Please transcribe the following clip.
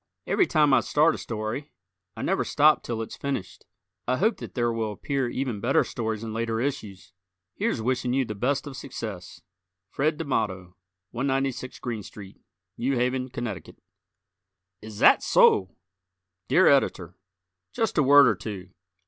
Every time I start a story I never stop till it's finished. I hope that there will appear even better stories in later issues. Here's wishing you the best of success, Fred Damato, 196 Greene St., New Haven, Conn. Is Zat So! Dear Editor: Just a word or two.